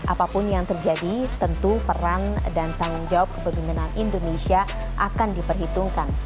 apapun yang terjadi tentu peran dan tanggung jawab kepemimpinan indonesia akan diperhitungkan